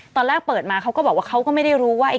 ตอนแรกเปิดมาเขาก็บอกว่าเขาก็ไม่ได้รู้ว่า